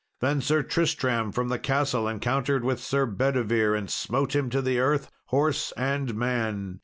Then Sir Tristram, from the castle, encountered with Sir Bedivere, and smote him to the earth, horse and man.